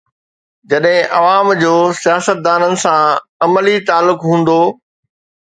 جڏهن عوام جو سياستدانن سان عملي تعلق هوندو.